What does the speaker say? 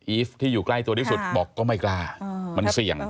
ฟที่อยู่ใกล้ตัวที่สุดบอกก็ไม่กล้ามันเสี่ยง